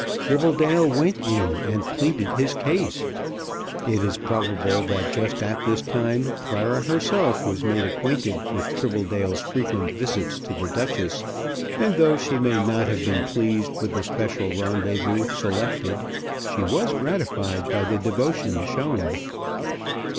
Tribbledale went in and pleaded his case. It is probable that just at this time Clara herself was made acquainted with Tribbledale's frequent visits to The Duchess, and though she may not have been pleased with the special rendezvous selected, she was gratified by the devotion shown.